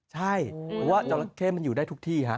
ใช่เพราะว่าจราเข้มันอยู่ได้ทุกที่ฮะ